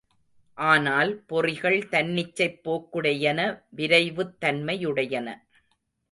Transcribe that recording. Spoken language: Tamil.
ஆனால் பொறிகள் தன்னிச்சைப் போக்குடையன விரைவுத் தன்மையுடையன.